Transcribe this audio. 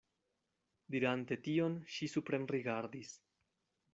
Dirante tion, ŝi suprenrigardis.